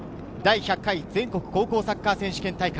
第１００回全国高校サッカー選手権大会。